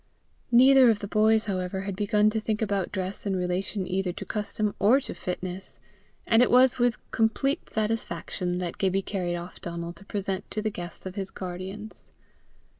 Neither of the boys, however, had begun to think about dress in relation either to custom or to fitness, and it was with complete satisfaction that Gibbie carried off Donal to present to the guest of his guardians.